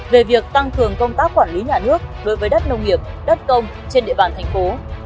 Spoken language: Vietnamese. về việc tăng cường công tác quản lý nhà nước đối với đất nông nghiệp đất công trên địa bàn thành phố